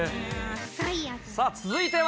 さあ、続いては。